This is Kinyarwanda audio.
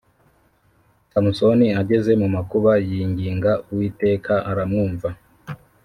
Samusoni ageze mu makuba yinginga Uwiteka aramwumva